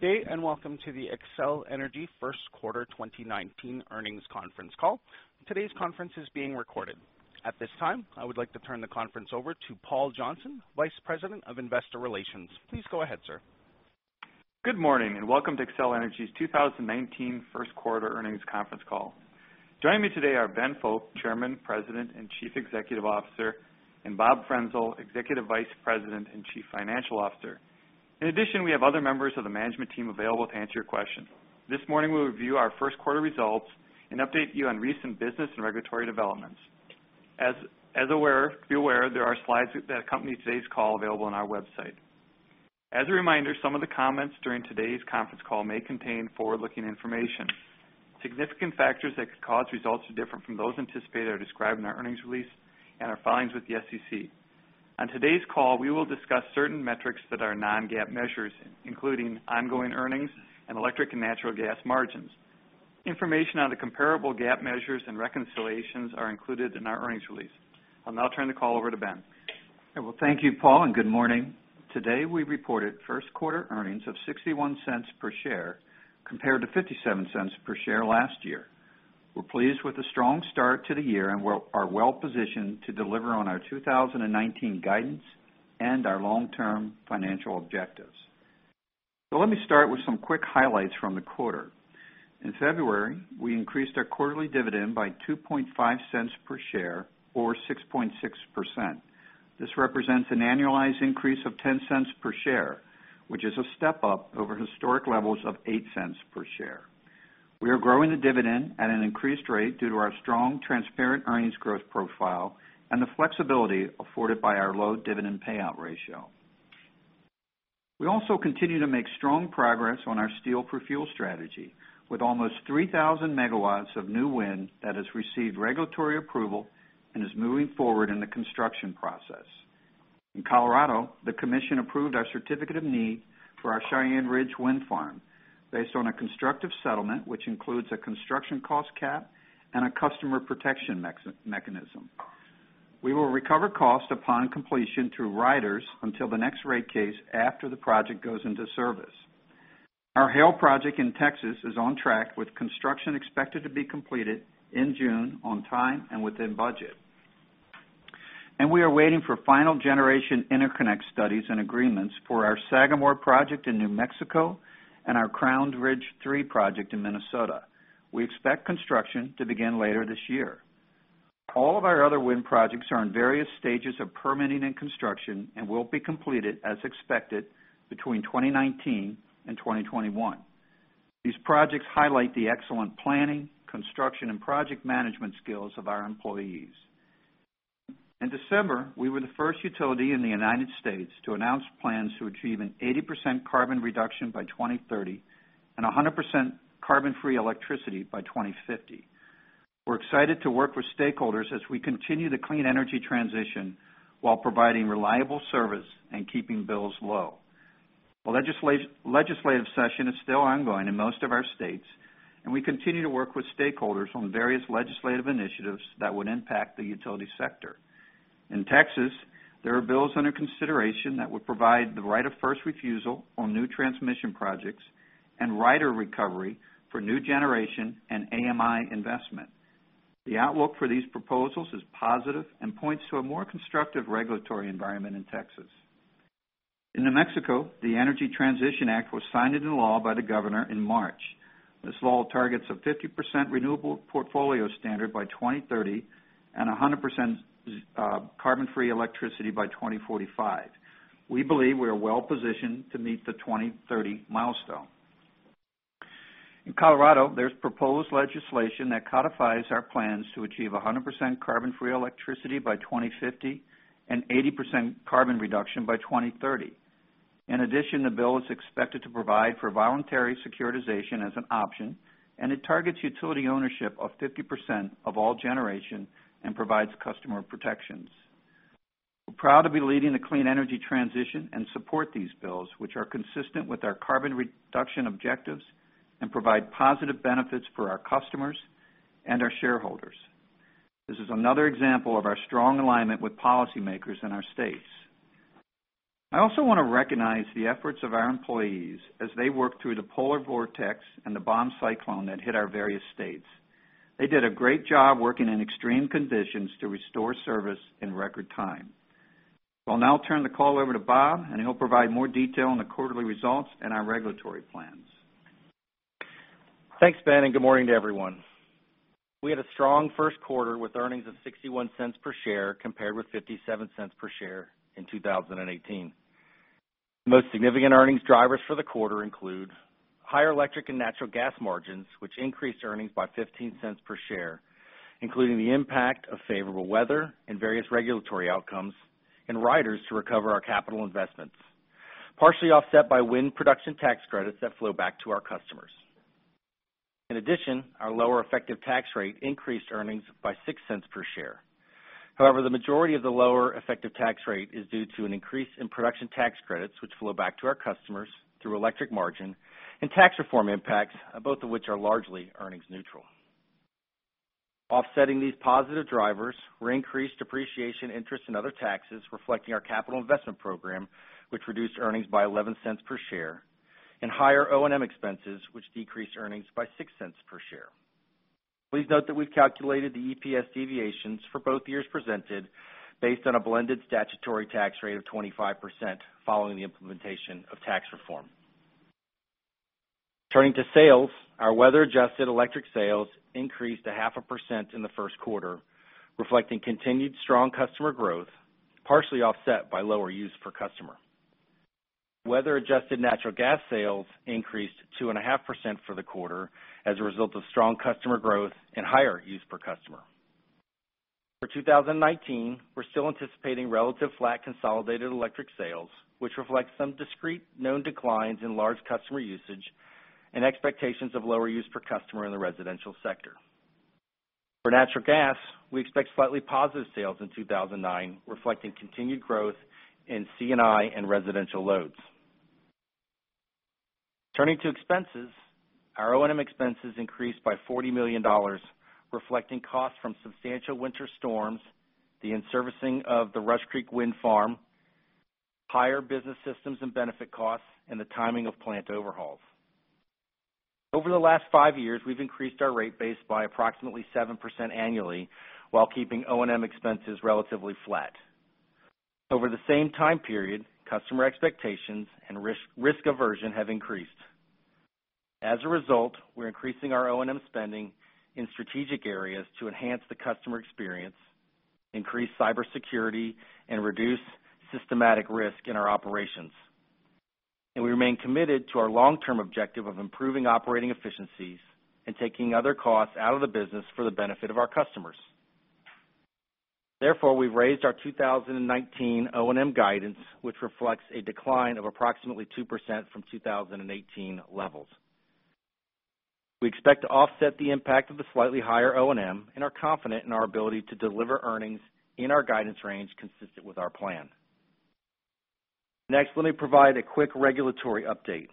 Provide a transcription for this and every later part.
Good day, welcome to the Xcel Energy First Quarter 2019 Earnings Conference Call. Today's conference is being recorded. At this time, I would like to turn the conference over to Paul Johnson, Vice President of Investor Relations. Please go ahead, sir. Good morning, welcome to Xcel Energy's 2019 First Quarter Earnings Conference Call. Joining me today are Ben Fowke, Chairman, President, and Chief Executive Officer, and Bob Frenzel, Executive Vice President and Chief Financial Officer. In addition, we have other members of the management team available to answer your questions. Be aware, there are slides that accompany today's call available on our website. As a reminder, some of the comments during today's conference call may contain forward-looking information. Significant factors that could cause results to differ from those anticipated are described in our earnings release and our filings with the SEC. On today's call, we will discuss certain metrics that are non-GAAP measures, including ongoing earnings and electric and natural gas margins. Information on the comparable GAAP measures and reconciliations are included in our earnings release. I'll now turn the call over to Ben. Well, thank you, Paul, good morning. Today, we reported first quarter earnings of $0.61 per share compared to $0.57 per share last year. We're pleased with the strong start to the year, we're well-positioned to deliver on our 2019 guidance and our long-term financial objectives. Let me start with some quick highlights from the quarter. In February, we increased our quarterly dividend by $0.025 per share or 6.6%. This represents an annualized increase of $0.10 per share, which is a step-up over historic levels of $0.08 per share. We also continue to make strong progress on our steel for fuel strategy, with almost 3,000 megawatts of new wind that has received regulatory approval and is moving forward in the construction process. In Colorado, the commission approved our certificate of need for our Cheyenne Ridge Wind Project based on a constructive settlement, which includes a construction cost cap and a customer protection mechanism. We will recover cost upon completion through riders until the next rate case after the project goes into service. Our Hale project in Texas is on track with construction expected to be completed in June on time and within budget. We are waiting for final generation interconnect studies and agreements for our Sagamore project in New Mexico and our Crowned Ridge 3 project in Minnesota. We expect construction to begin later this year. All of our other wind projects are in various stages of permitting and construction and will be completed as expected between 2019 and 2021. These projects highlight the excellent planning, construction, and project management skills of our employees. In December, we were the first utility in the U.S. to announce plans to achieve an 80% carbon reduction by 2030 and 100% carbon-free electricity by 2050. We're excited to work with stakeholders as we continue the clean energy transition while providing reliable service and keeping bills low. The legislative session is still ongoing in most of our states. We continue to work with stakeholders on various legislative initiatives that would impact the utility sector. In Texas, there are bills under consideration that would provide the right of first refusal on new transmission projects and rider recovery for new generation and AMI investment. The outlook for these proposals is positive and points to a more constructive regulatory environment in Texas. In New Mexico, the Energy Transition Act was signed into law by the governor in March. This law targets a 50% renewable portfolio standard by 2030 and 100% carbon-free electricity by 2045. We believe we are well-positioned to meet the 2030 milestone. In Colorado, there's proposed legislation that codifies our plans to achieve 100% carbon-free electricity by 2050 and 80% carbon reduction by 2030. In addition, the bill is expected to provide for voluntary securitization as an option, and it targets utility ownership of 50% of all generation and provides customer protections. We're proud to be leading the clean energy transition and support these bills, which are consistent with our carbon reduction objectives and provide positive benefits for our customers and our shareholders. This is another example of our strong alignment with policymakers in our states. I also want to recognize the efforts of our employees as they work through the polar vortex and the bomb cyclone that hit our various states. They did a great job working in extreme conditions to restore service in record time. I'll now turn the call over to Bob, he'll provide more detail on the quarterly results and our regulatory plans. Thanks, Ben. Good morning to everyone. We had a strong first quarter with earnings of $0.61 per share compared with $0.57 per share in 2018. Most significant earnings drivers for the quarter include higher electric and natural gas margins, which increased earnings by $0.15 per share, including the impact of favorable weather and various regulatory outcomes, and riders to recover our capital investments, partially offset by wind production tax credits that flow back to our customers. In addition, our lower effective tax rate increased earnings by $0.06 per share. However, the majority of the lower effective tax rate is due to an increase in production tax credits, which flow back to our customers through electric margin and tax reform impacts, both of which are largely earnings neutral. Offsetting these positive drivers were increased depreciation interest and other taxes reflecting our capital investment program, which reduced earnings by $0.11 per share, and higher O&M expenses, which decreased earnings by $0.06 per share. Please note that we've calculated the EPS deviations for both years presented based on a blended statutory tax rate of 25% following the implementation of tax reform. Turning to sales, our weather-adjusted electric sales increased 0.5% in the first quarter, reflecting continued strong customer growth, partially offset by lower use per customer. Weather-adjusted natural gas sales increased 2.5% for the quarter as a result of strong customer growth and higher use per customer. For 2019, we're still anticipating relative flat consolidated electric sales, which reflects some discrete known declines in large customer usage and expectations of lower use per customer in the residential sector. For natural gas, we expect slightly positive sales in 2009, reflecting continued growth in C&I and residential loads. Turning to expenses, our O&M expenses increased by $40 million, reflecting costs from substantial winter storms, the in-servicing of the Rush Creek Wind Project, higher business systems and benefit costs, and the timing of plant overhauls. Over the last five years, we've increased our rate base by approximately 7% annually while keeping O&M expenses relatively flat. Over the same time period, customer expectations and risk aversion have increased. As a result, we're increasing our O&M spending in strategic areas to enhance the customer experience, increase cybersecurity, and reduce systematic risk in our operations. We remain committed to our long-term objective of improving operating efficiencies and taking other costs out of the business for the benefit of our customers. Therefore, we've raised our 2019 O&M guidance, which reflects a decline of approximately 2% from 2018 levels. We expect to offset the impact of the slightly higher O&M and are confident in our ability to deliver earnings in our guidance range consistent with our plan. Next, let me provide a quick regulatory update.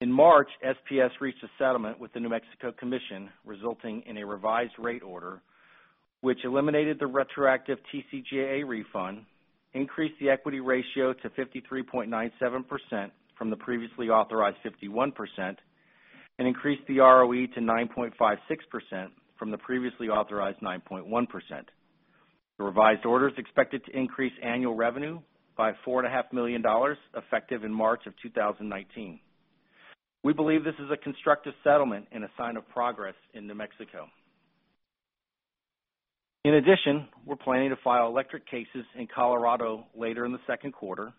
In March, SPS reached a settlement with the New Mexico Commission, resulting in a revised rate order, which eliminated the retroactive TCJA refund, increased the equity ratio to 53.97% from the previously authorized 51%, and increased the ROE to 9.56% from the previously authorized 9.1%. The revised order is expected to increase annual revenue by $4.5 million, effective in March of 2019. We believe this is a constructive settlement and a sign of progress in New Mexico. In addition, we're planning to file electric cases in Colorado later in the second quarter,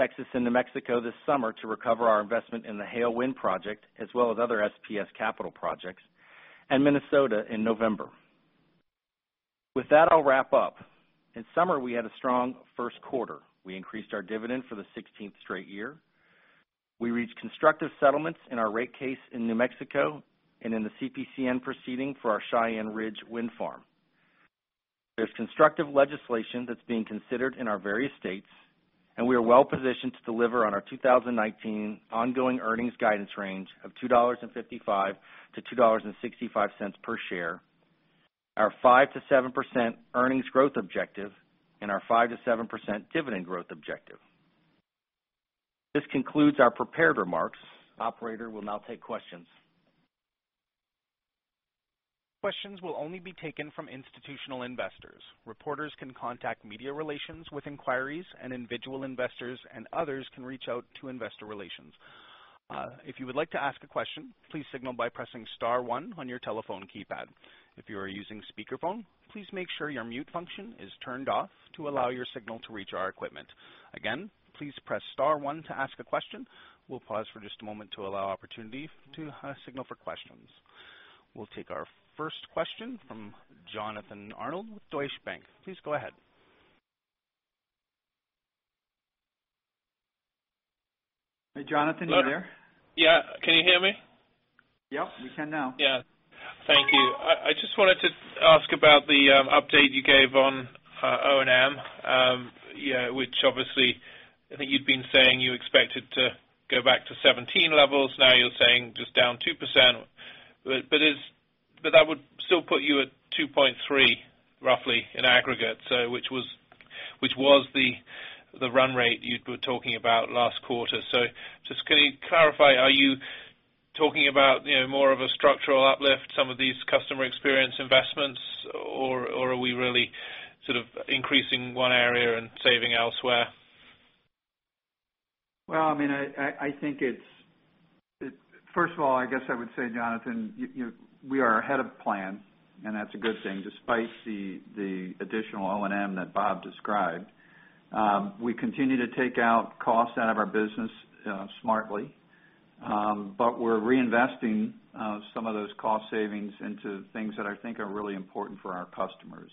Texas and New Mexico this summer to recover our investment in the Hale Wind Project, as well as other SPS capital projects, and Minnesota in November. With that, I'll wrap up. In summary, we had a strong first quarter. We increased our dividend for the 16th straight year. We reached constructive settlements in our rate case in New Mexico and in the CPCN proceeding for our Cheyenne Ridge Wind Project. There's constructive legislation that's being considered in our various states, and we are well-positioned to deliver on our 2019 ongoing earnings guidance range of $2.55-$2.65 per share, our 5%-7% earnings growth objective, and our 5%-7% dividend growth objective. This concludes our prepared remarks. Operator, we'll now take questions. Questions will only be taken from institutional investors. Reporters can contact media relations with inquiries, and individual investors and others can reach out to Investor Relations. If you would like to ask a question, please signal by pressing *1 on your telephone keypad. If you are using speakerphone, please make sure your mute function is turned off to allow your signal to reach our equipment. Again, please press *1 to ask a question. We'll pause for just a moment to allow opportunity to signal for questions. We'll take our first question from Jonathan Arnold with Deutsche Bank. Please go ahead. Hey, Jonathan, are you there? Yeah. Can you hear me? Yep. We can now. Yeah. Thank you. I just wanted to ask about the update you gave on O&M, which obviously, I think you'd been saying you expected to go back to 2017 levels. Now you're saying just down 2%. That would still put you at 2.3, roughly, in aggregate, which was the run rate you were talking about last quarter. Just can you clarify, are you talking about more of a structural uplift, some of these customer experience investments, or are we really sort of increasing one area and saving elsewhere? Well, first of all, I guess I would say, Jonathan, we are ahead of plan, and that's a good thing, despite the additional O&M that Bob described. We continue to take out costs out of our business smartly. We're reinvesting some of those cost savings into things that I think are really important for our customers.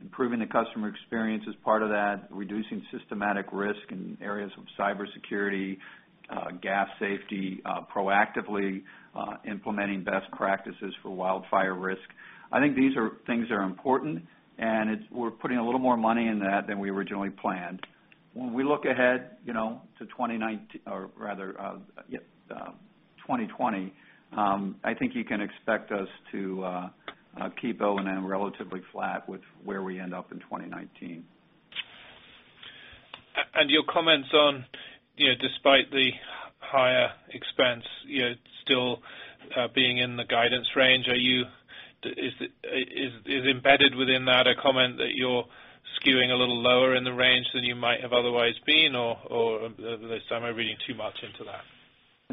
Improving the customer experience is part of that, reducing systematic risk in areas of cybersecurity, gas safety, proactively implementing best practices for wildfire risk. I think these are things that are important, and we're putting a little more money in that than we originally planned. When we look ahead to 2019, or rather, yep, 2020, I think you can expect us to keep O&M relatively flat with where we end up in 2019. Your comments on, despite the higher expense still being in the guidance range, is embedded within that a comment that you're skewing a little lower in the range than you might have otherwise been, or am I reading too much into that?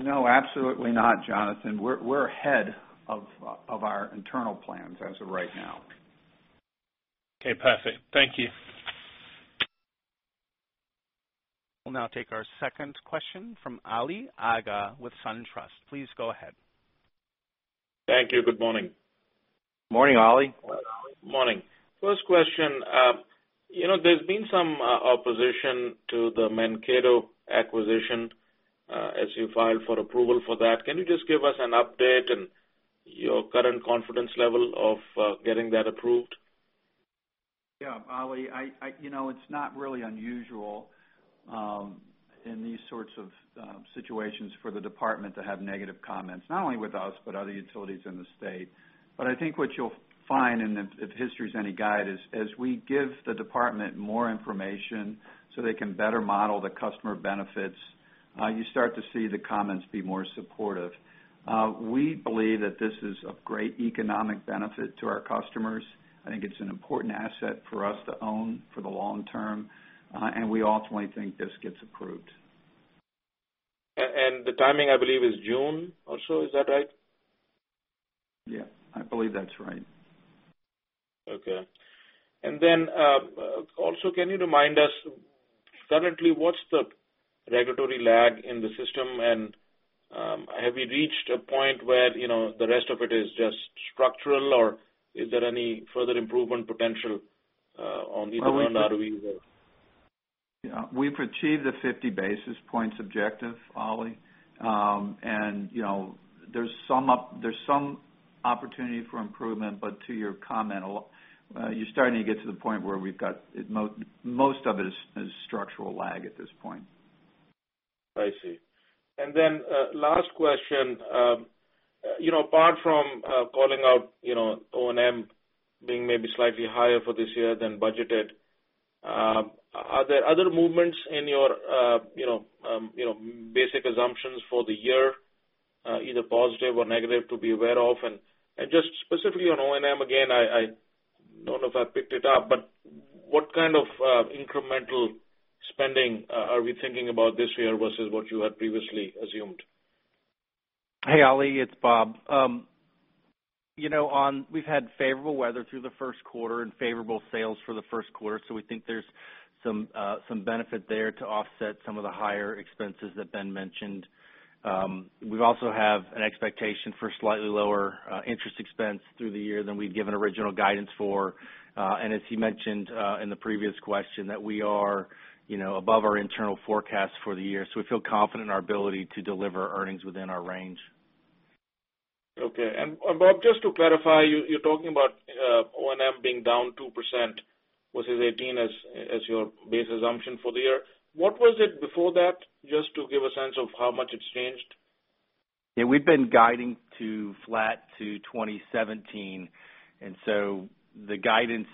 No, absolutely not, Jonathan. We're ahead of our internal plans as of right now. Okay, perfect. Thank you. We'll now take our second question from Ali Agha with SunTrust. Please go ahead. Thank you. Good morning. Morning, Ali. Morning. First question. There's been some opposition to the Mankato acquisition as you filed for approval for that. Can you just give us an update and your current confidence level of getting that approved? Yeah. Ali, it's not really unusual in these sorts of situations for the department to have negative comments, not only with us, but other utilities in the state. I think what you'll find, and if history is any guide, is as we give the department more information so they can better model the customer benefits, you start to see the comments be more supportive. We believe that this is of great economic benefit to our customers. I think it's an important asset for us to own for the long term. We ultimately think this gets approved. The timing, I believe, is June also. Is that right? Yeah, I believe that's right. Okay. Also, can you remind us currently, what's the regulatory lag in the system? Have you reached a point where the rest of it is just structural or is there any further improvement potential on either front? Are we there? Yeah. We've achieved the 50 basis points objective, Ali. There's some opportunity for improvement, but to your comment, you're starting to get to the point where we've got most of it is structural lag at this point. I see. Last question. Apart from calling out O&M being maybe slightly higher for this year than budgeted, are there other movements in your basic assumptions for the year, either positive or negative to be aware of? Just specifically on O&M, again, I don't know if I picked it up, but what kind of incremental spending are we thinking about this year versus what you had previously assumed? Hey, Ali, it's Bob. We've had favorable weather through the 1st quarter and favorable sales for the 1st quarter, we think there's some benefit there to offset some of the higher expenses that Ben mentioned. We also have an expectation for slightly lower interest expense through the year than we'd given original guidance for. As he mentioned in the previous question, that we are above our internal forecast for the year, we feel confident in our ability to deliver earnings within our range. Okay. Bob, just to clarify, you're talking about O&M being down 2% versus 2018 as your base assumption for the year. What was it before that? Just to give a sense of how much it's changed. Yeah, we've been guiding to flat to 2017, the guidance,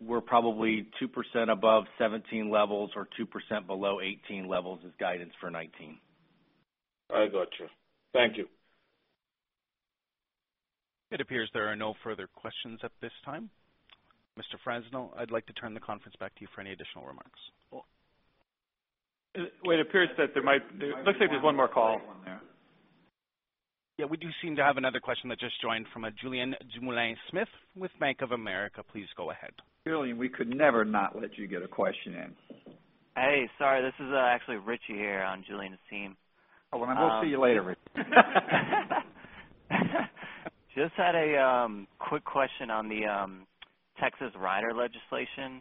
we're probably 2% above 2017 levels or 2% below 2018 levels as guidance for 2019. I got you. Thank you. It appears there are no further questions at this time. Mr. Frenzel, I'd like to turn the conference back to you for any additional remarks. Well- It appears that it looks like there's one more call. One there. Yeah, we do seem to have another question that just joined from a Julien Dumoulin-Smith with Bank of America. Please go ahead. Julien, we could never not let you get a question in. Hey, sorry, this is actually Richie here on Julien's team. Oh, well, I'm going to see you later, Richie. Just had a quick question on the Texas rider legislation.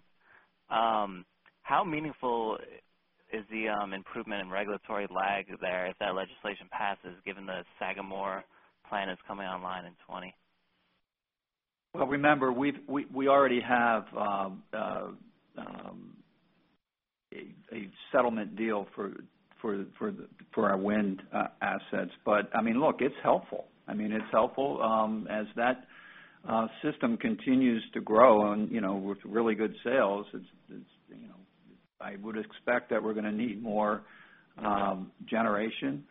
How meaningful is the improvement in regulatory lag there if that legislation passes, given the Sagamore plant is coming online in 2020? Remember, we already have a settlement deal for our wind assets. Look, it's helpful. It's helpful as that system continues to grow and with really good sales, I would expect that we're going to need more generation,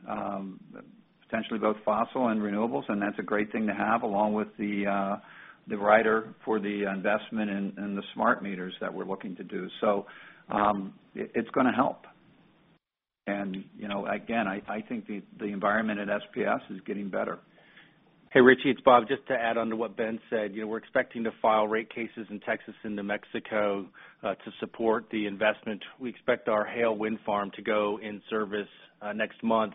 potentially both fossil and renewables, that's a great thing to have along with the rider for the investment in the smart meters that we're looking to do. It's going to help. Again, I think the environment at SPS is getting better. Hey, Richie, it's Bob. Just to add on to what Ben said, we're expecting to file rate cases in Texas and New Mexico to support the investment. We expect our Hale Wind Project to go in service next month,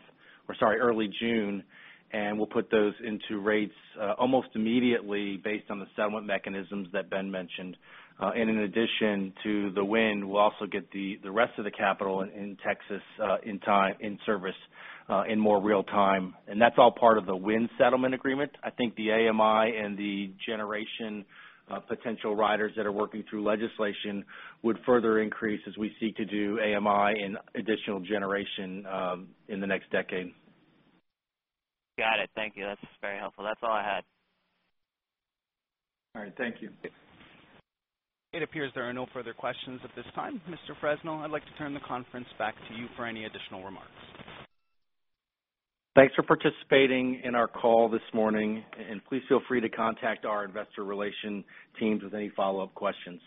or sorry, early June, and we'll put those into rates almost immediately based on the settlement mechanisms that Ben mentioned. In addition to the wind, we'll also get the rest of the capital in Texas in service in more real time. That's all part of the wind settlement agreement. I think the AMI and the generation potential riders that are working through legislation would further increase as we seek to do AMI and additional generation in the next decade. Got it. Thank you. That's very helpful. That's all I had. All right. Thank you. It appears there are no further questions at this time. Mr. Frenzel, I'd like to turn the conference back to you for any additional remarks. Thanks for participating in our call this morning, and please feel free to contact our Investor Relations team with any follow-up questions.